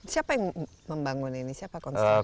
siapa yang membangun ini siapa yang konsultasi